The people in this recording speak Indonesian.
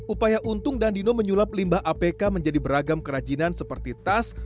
upaya untung dan dino menyulap limbah apk menjadi beragam kerajinan seperti tas